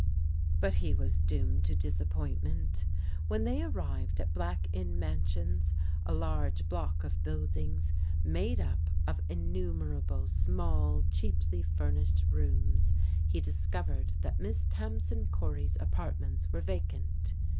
But he was doomed to disappointment. When they arrived at Black Inn Mansions, a large block of buUditi^S) made up of innumerable small, cheaply {unusVied toocaa^ 146 PRODIGAL DAUGHTERS he discovered that Miss Tamsin Cory's apartments were vacant.